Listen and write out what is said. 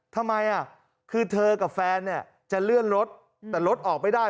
ทำไมคือเธอกับแฟนเนี่ยจะเลื่อนรถแต่รถออกไม่ได้